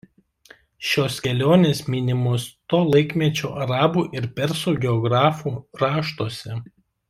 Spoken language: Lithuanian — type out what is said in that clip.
Šios kelionės minimos to laikmečio arabų ir persų geografų raštuose.